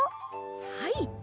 はい！